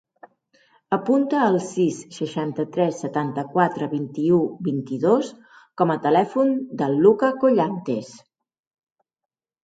Apunta el sis, seixanta-tres, setanta-quatre, vint-i-u, vint-i-dos com a telèfon del Luka Collantes.